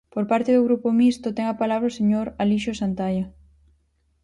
Por parte do Grupo Mixto ten a palabra o señor Alixo Santaia.